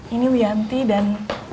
ini wianti dan